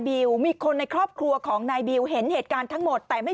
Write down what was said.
มีคนในครอบครัวของนายบิวเห็นเหตุการณ์ทั้งหมดแต่ไม่